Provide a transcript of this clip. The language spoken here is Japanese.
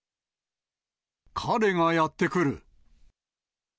彼がやってくる。